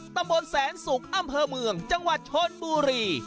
ตำบลแสนศุกร์อำเภอเมืองจังหวัดชนบุรี